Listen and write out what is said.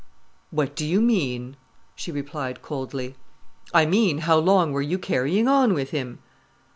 "What do you mean?" she replied coldly. "I mean how long were you carrying on with him?"